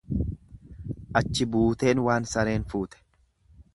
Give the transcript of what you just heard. Achi buuteen wan sareen fuute.